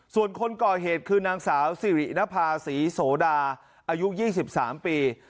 ส่วนคนก่อเหตุคือนางสาวสิรินภาษีโสดาอายุ๒๓ปี